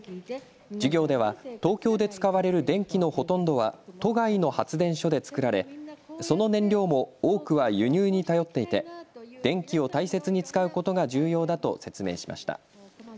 授業では東京で使われる電気のほとんどは都外の発電所で作られその燃料も多くは輸入に頼っていて電気を大切に使うことが重要だと説明しました。